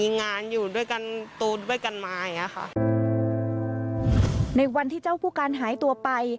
ในวันที่เจ้าผู้กันหายตัวไป